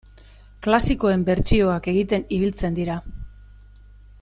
Klasikoen bertsioak egiten ibiltzen dira.